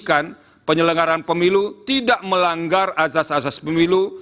yang harus memastikan penyelenggaran pemilu tidak melanggar azas azas pemilu